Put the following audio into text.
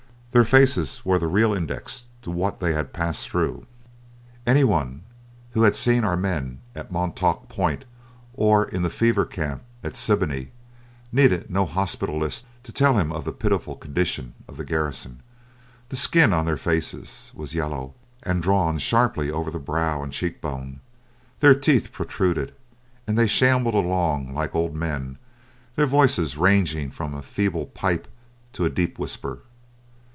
Their faces were the real index to what they had passed through. Any one who had seen our men at Montauk Point or in the fever camp at Siboney needed no hospital list to tell him of the pitiful condition of the garrison. The skin on their faces was yellow, and drawn sharply over the brow and cheekbones; their teeth protruded, and they shambled along like old men, their voices ranging from a feeble pipe to a deep whisper.